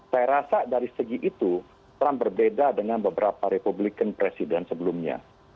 saya rasa dari segi itu trump berbeda dengan beberapa republican presiden sebelumnya